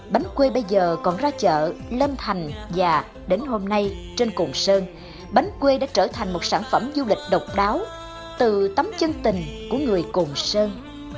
bánh quê bây giờ còn ra chợ lâm thành và đến hôm nay trên cồn sơn bánh quê đã trở thành một sản phẩm du lịch độc đáo từ tấm chân tình của người cồn sơn